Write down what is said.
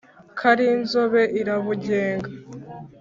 Karinzobe* irabugenga.